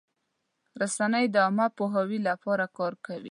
رسنۍ د عامه پوهاوي لپاره کار کوي.